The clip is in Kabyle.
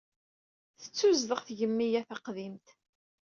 Tettuzdeɣ tgemmi-ad taqdimt.